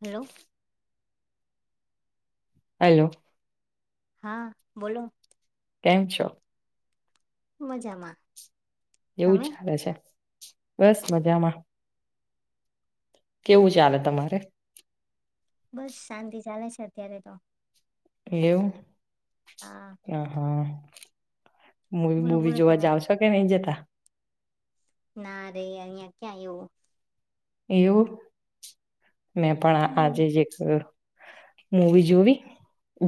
Hello. Hello. હા બોલો. કેમ છો. મજામાં એવું તમે ચાલે છે. બસ મજામાં. કેવું ચાલે તમારે. બસ શાંતિ ચાલે છે અત્યારે તો. લેવ. હા હ હા. મવી બોલો મૂવી બોલો જોવા તમે જાવ છો કે નહી જતા. ના રે અહિયાં ક્યાં આવવું એવું. મેં પણ હમ આજે જ એક. મૂવી જોવી.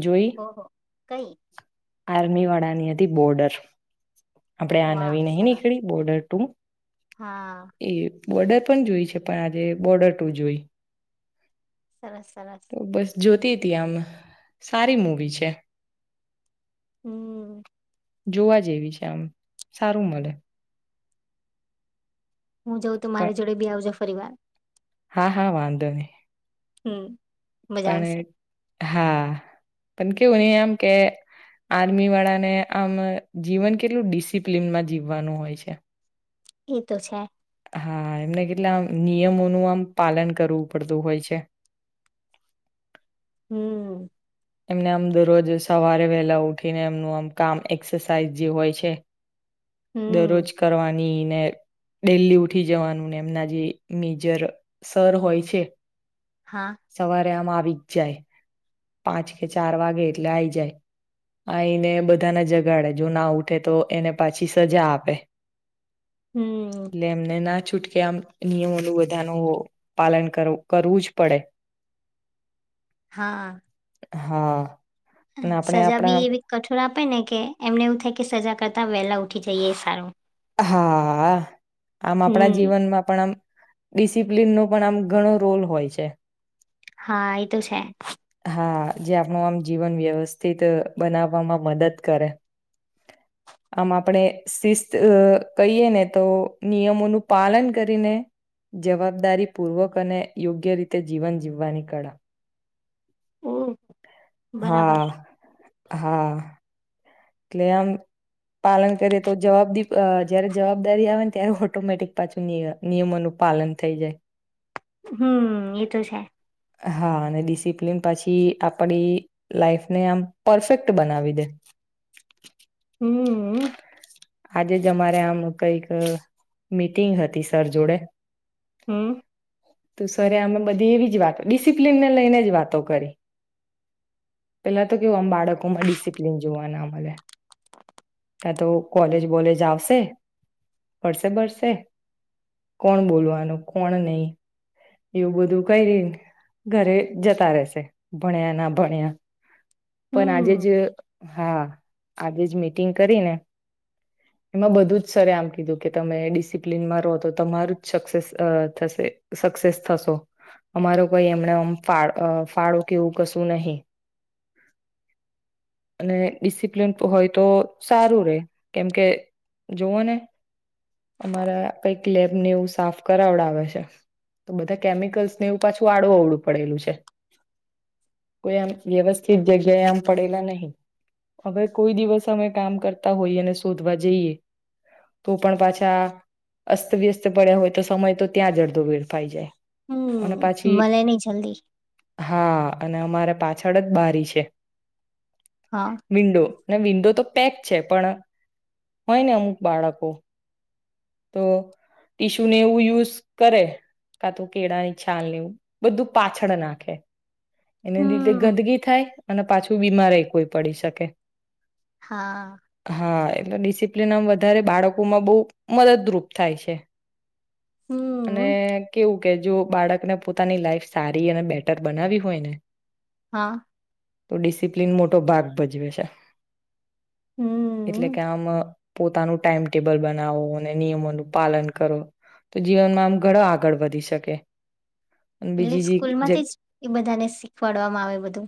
જોઈ. ઓહો [inaudible] આર્મી વાળાની હતી બોર્ડર આપણેે આ વાહ નવી નહી સરસ નીકળી બોર્ડર ટુ હા એ બોર્ડર પણ જોઈ છે પણ આજે બોર્ડર ટુ જોઈ સરસ સરસ તો બસ જોતી સારી મુવી છે હમ જોવા જેવી છે આમ સારું મળે હું જાઉં તો પણ મારી જોડે બી આવજો પરિવાર હા હા વાંધો નહી હમ મજા પણ આવશે હા પણ કેવું નહી આમ કે આર્મી વાળા ને આમ જીવન કેટલું ડિસિપ્લિનમાં જીવવાનું હોય છે એ તો છે હા એમને કેટલા આમ નિયમોનું આમ પાલન કરવું પડતું હોય છે હમ એમને આમ દરરોજ સવારે વહેલા ઉઠીને એમનું આમ કામ એક્સરસાાઈઝ જે હોય છે દરરોજ હમ કરવાની ને ડૈલી ઉઠી જવાનું ને એમના જે મેજર સર હોય છે હા સવારે આમ આવે બજ જાય [inaudible] પાંચ કે ચાર વાગે એટલે આઈ જાય આઈને બધાને જગાડે જો ના ઉઠે તો એને પાછી સજા આપે હમ ને એમને નાચ છૂટકે આમ નિયમોનું બધાનું પાલન કરવું કરવુંજ પડે. હા હા. અને આપણે સજા આપણા બી એવી કઠોરા આપે આપે ને કે, એમને એવું થાય કે સજા કરતા વહેલા ઉઠી જઈએ એ સારું. હાઆ આમ આપણા હમ જીવનમાં પણ આમ ડિસિપ્લિન નો પણ આમ ઘણો રોલ હોય છે. હા એ તો છે. હા જે આપણ આમ જીવન વ્યવસ્થિત બનાવવામાં મદદ કરે. આમ આપણે સીસ ત કહીએ ને તો નિયમોનું પાલન કરીને જવાબદારી પૂર્વક અને યોગ્ય રીતે જીવન જીવવાની કળા. ઓ હા બરાબર. હા. કેલેમ પાલન કરે તો જવાબદ અ જયારે જવાબદારી આવે ને, ત્યારે ઓટોમેટિક પાછું, નિયમ નિયમોનું પાલન થઈ જાય. હમ્મ એ તો છે. હા અને ડિસિપ્લીન પછી આપડી લાઈફને આમ પરફેક્ટ બનાવી દે. [inaudible] હમ હમ આજે જ અમારે આમ કઈક મીટિંગ હતી સર જોડે હમ્મ તો સર અમે બધી એવી જ વાત ડિસિપ્લિનને લઈને જ વાતો કરી. પેલા તો કેવું આમ બાળકો માં ડિસિપ્લિન જોવાના મળે કા તો કોલેજ બોલેજ આવશે. ફડસે બળસે કોણ બોલવાનું કોણ નહી, એવું બધું કઈ ઘરે જતા રહેશે ભણ્યા ના ભણ્યા પણ આજે જ હમ હા આજે મી તિંગ કરી એ બધું સર આમ કીધું કે, તમે ડિસપ્નમાં રહો તો તમારુજ સક્સેસ થશે સક્સેસ થશો. અમારો કોઈ એમનો ઇમ અ ફાળો કે એવું કશું નહી. અને ડીસીપીન હોય તો સારું રે. કેમ કે જોઓ ને અમારા પૈ લેબને એવું સાફ કરાવડાવે છે. તો બધા કેમિકલ્સને એવું પાછું આડું અવડું પડેલું છે. કોઈ આમ વ્યવસ્થિત જગ્યાએ આમ પડેલા નહી. હવે કોઈ દિવસ અમે કામ કરતા હોઈ, અને શોધવા જઈએ, તો પણ પાછા અસ્તવ્યસ્ત પડ્યા હોય તો સમય તો ત્યાં જ અડધો વેડફાઈ જાય. અને હમ પછી, મળે નહી જલ્દી હા અને અમારે પાછળ જ બારી છે. હા વિન્ડો. ના વિંડો તો પેક છે. પણ હોય ને અમુક બાળકો તો ટીશ્યુને એવું યુઝ કરે. કા તો કેળાની છાલ ને એવ બધું પાછળ નાખે એને લીધે હમ ગંદગી થાય અને પાછું બીમારઇ કોઈ પડી શકે. હા. હા એટલે ડિસિપ્લીન આમ વધારે બાળકોમાં બહુ મદદરૂપ થાય છે અને હમ કેવું કે જો બાળકને પોતાની લાઈફ સારી અને બેટર બનાવી હોય ને હા તો ડિસિપ્લિન મોટો ભાગ ભજવે છે એટલે હમ કે આમ પોતાનું ટાઈમટેબલ બનાવો નિયમોનું પાલન કરો તો જીવનમાં આમ ઘણા આગળ વધી શકે અને એટલે બીજી સ્કૂલ જે માંથી જ એ બધાને શીખવાડવામાં આવે બધું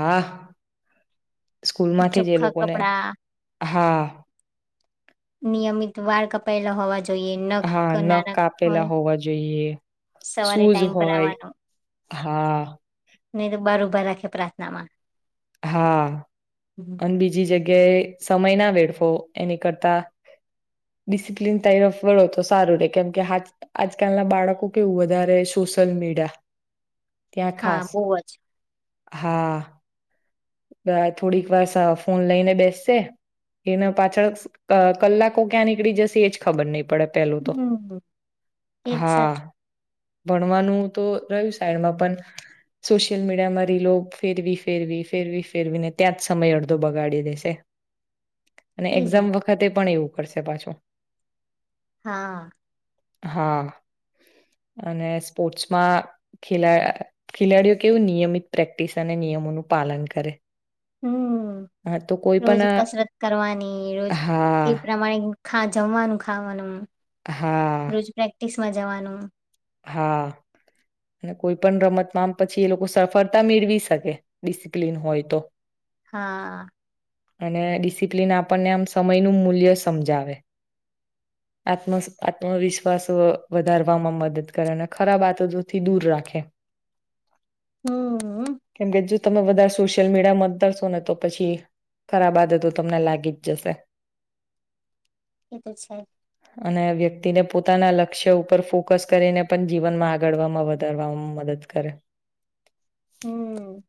હા સ્કૂલમાંથી જે ચોખ્ખા લોકોને કપડા હા નિયમિત વાર કપાયેલા હોવા જોઈએ નખ હા ક- નાના નાપેલા હોય હોવા જોઈએ સવારે શૂઝ ટાઈમ પર આવવાનું હોય હા નહી તો બહાર ઉભા રાખે પ્રાર્થના માં હા અને બીજી જગ્યાએ. સમય ના વેડવો એની કરતા ડિસિપ્લિન તરફ વળો તો સારું રે કેમકે આજકાલના બાળકો કેવું વધારે સોશિયલ મીડિયા. ત્યાં હા ખાસ બહ જ. હા. થોડીક વાર ફોન લઈને બેસશે એને પાછળ કલાકો ક્યાં નીકળી જશે એજ ખબર નહ પડે. પડે પેલું તો હમ એજ સાચું હા ભણવાનું તો રહ્યું સાઈડમાં પણ સોશિયલ મીડિયા માં રીલો ફેરવી ફેરવી. ફેરવી ફેરવીને ત્યાં જ સમય અડધો બગાડી દેશે. અને એજ ને એક્ઝામ વખતે પણ એવું. કરશે પાછું. હા. હા અને સ્પોર્ટ્સમાં ખ ખેલાડીઓ કેવું નિયમિત પ્રેક્ટિસ અને નિયમોનું. પાલન કરે. હમ હા તો કોઈ રોજ પણ કસરત કરવાની રોજ અ એ હા પ્રમાણે. ખા જમવાનું ખાવાનું. હા રોજગારી. સમાં જવાનું. હા અને કોઈ પણ રમતમાંમ પછી એ લોકો સફળતા મેળવી શકે ડિસિપ્લિન હોય તો. હા. અને ડિસિપ્લિન આપણને આમ સમયનું મૂલ્ય સમજાવે આ આત્મવિશ્વાસ વધારવામાં મદદ. કરે અને ખરાબ આતોથી દૂર રાખે. હમ. કેમકે જો તમે વધારે સોશિયલ મીડિયા મત ધરશો ને તો પછી ખરાબ આદતો તમને લાગી જ જશે. એ તો છે. અને વ્યક્તિને પોતાના લક્ષ્ય ઉપર ફોકસ કરીને. પણ જીવનમાં આગળમાં વધારવામાં મદદ કરે. હમ.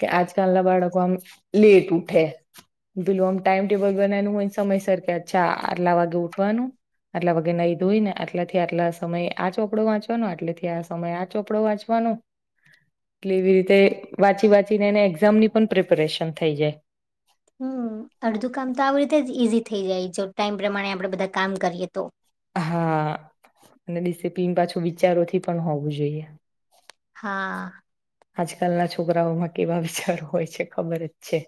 કે આજકાલ ના બાળકો આમ લેટ ઉઠે પેલું આમ ટાાઈમ ટેબલ બનાવનું હોય સમયસર કે અચ્છા આટલા વાગે ઉઠવાનું આટલા વાગે નહી ધોઈ ને આટલાથી આટલા સમય આચ. ચોપડો વાંચવાનો આટલેથી આ સમયે આ ચોપડો વાંચવાનો એટલે એવી રીતે વાંચી વાંચીને એને એક્ઝામની પણ પ્રિપેરેશન થઈ જાય. હમ અડધું કામ તો આવી રીતે જ ઈઝી થઈ જાય જો ટાઈમ પ્રમાણે આપણેે બધા કામ કરીએ તો. હા અને ડિસિપ્લીન પાછું વિચારોથી પણ હોવું જોઈએ. હા. આજકાલના છોકરાઓમાં કેવા વિચારો હોય છે ખબર જ છે.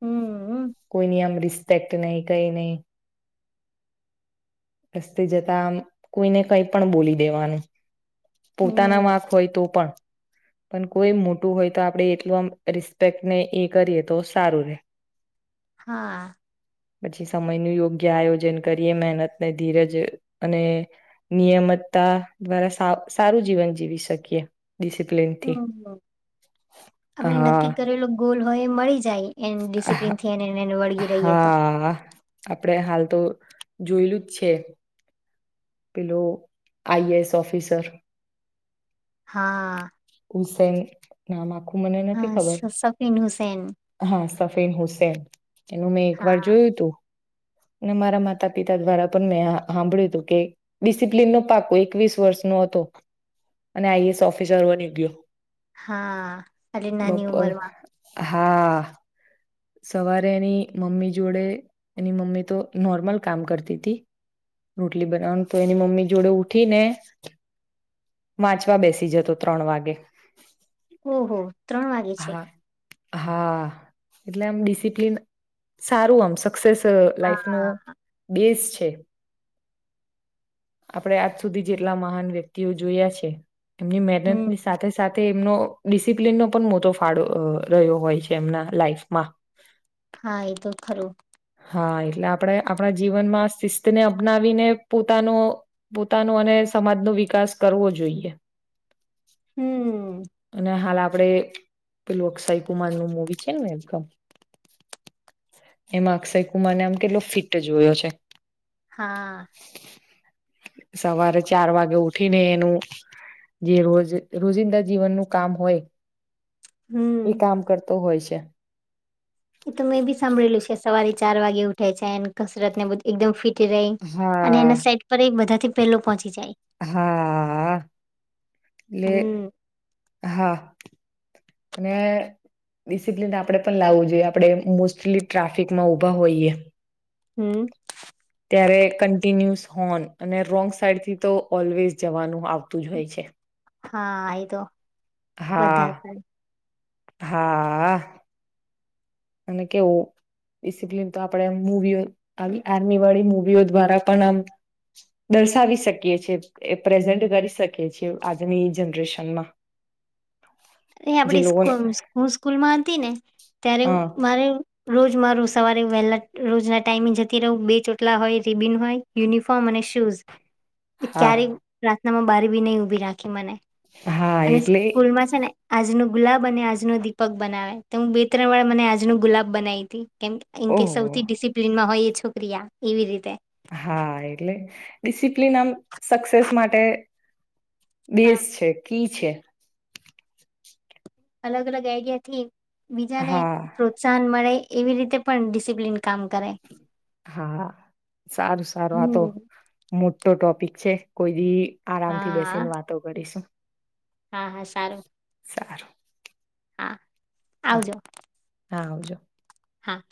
હમ કોઈ ન આમ રિશ. રપેક્ટ નહી કઈ નહી. રસ્તે જતા આમ કોઈને કઈ પણ બોલી દેવાનું. પોતાના હમ વાક હોય તો પણ. પણ કોઈ મોટું હોય તો આપણે એટલો આ રિસ્પેક્ટને એ કરીએ તો સારું રહે. હા. પછી સમય નું યોગ્ય આયોજન કરીએ મહેનત. અને ધીરજ અને નિયમિતતા દ્વારા સારું જીવન જીવી શકીએ. ડિસિપ્લનથી હમ હા. હ એ મળી જ જાય એ ડિસિપ્લીન થીને એને વળગી રહીએ તો. હા આપણેે હાલ તો જોયેલું જ છે પેલો આઈએસ ઓફિસર. હા. હુસેન નામાં મને નથી હા ખબર સ- સફીન હુસેન હા સફીન હુસેન એનું મેં એક વાર હા જોયું તું. અને મારા માતા પિતા દ્વારા પણ મેં સાંભળ્યું હતું કે ડિસિપ્લિન નો પાકો એકવીસ વર્ષ નો હતો અને આઈએસ ઓફિસર બન્યો. ગ હા આટલી નાની ઉમર માં હા. સવારે એની મમ્મી જોડે એની મમ્મી તો નોર્મલ કામ કરતી હતી રોટલી બનાવાનું તો એની મમ્મી જોડે ઉઠી ને વાંચવા બેસી જતો ત્રણ વાગે. ઓ હો. ત્રણ વાગે છે. હા હા એટલે આમ ડિસિપ્લિન સારું આમ સ [unintelligible] લાઈફ ન હા. બેઝ. તે આપડે આજ સુધી જેટલા મહાન વ્યક્તિઓ જોયા છે. એમની મહેનત હમ ની સાથે સાથ તે એમનો ડિસિપ્ન નો. પણ મોટો ફાળો રહ્યો હોય છે એમના લાઈફમાં. હા એ તો ખરું. હા એટલે આપડે આપડા જીવનમાં શિસ્તને અપનાવીને પોતાનો પોતાનો અને સમાજનો વિકાસ કરવો જોઈએ. હમ અને હાલ આપ પડે પેલું અક્ષય કુમાર નું મુવી છે ને એકદમ. એમાં અક્ષય કુમારને આમ કેટલો ફિટ જોયો છે. હા. સવારે ચાર વાગે ઉઠીને એનું જે રોજ રોજિંદા જીવનનું કામ હોય. એ હમ કામ કરતો હોય છે. [inaudible] એ તો મેં બી સાંભળેલું છે સવારે ચાર વાગે ઉઠે છે ને કસરત ને બધુ એકદમ ફિટ થી ગઈ અને હા એના સાઈટ પર એ બધા. પેલો પોચ હા એટલે હમ હા અને ડિસિપ્લિન આપડે પણ લાવવું જોઈએ આપડે મોસ્ટલી ટ્રાફિકમાં ઊભા હોઈએ. હમ. ત્યારે કન્ટિન્યુઝ હોન અને રોંગ સાઈડ થી તો ઓલવેઝ જવાનું આવ. તું જ હોય છે. હા આઈ તો બધા હા થાય હા અને કેવો ડિસિપ્લન તો આપણે મુવીઓ આવી આર્મી વાળી મુવીઓ દ્વારા પણ આમ દર્શાવી શકીએ છે એ પ્રેઝન્ટ કરી શકીએ છીએ આજની જનરેશનમાં એ જે આપડી લોકોને સ્કૂ સ્કૂ સ્કૂલ માં હતી ને ત્યારે હા મારે રોજ મારું સવારે વહેલા રોજના ટાઈમે જતી રહું બે ચોટલા હોય રિબિન હોય યુનિફોર્મ અને શૂઝ ક્યારે હા રા મ મને બારી બી નહી ઉભી રાખી મને હા અને એટલે સ્કૂલમાં છે ને આજનું ગુલાબ અને આજનો દીપક બનાવે તો હું બે ત્રણ વારે મને આજનો ગુલાબ બનાવી તી કેમ એમ કે ઓહ સૌથી ડિસિપ્લિનમાં હોય શુક્રિયા એવી રીતે હા એટલે ડિસિપ્લિન આમ સક્સેસ માટે હા ડેશ છે કિ છે અલગ અલગ આઈડિયાથી બીજા ને હા પ્રોત્સાહન મળે એવી રીતે પણ ડિસિપ્લિન કામ કરે હા સારું સારું આ તો હમ નો ટોપકસ છે કોઈ દી આરામ થી હા બેસીને વાતો કરીશું. હા હા સારું. સારું. હાં હા આવજો. હા આવજો. હા